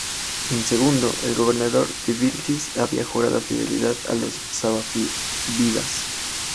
En segundo, el gobernador de Bitlis había jurado fidelidad a los safávidas.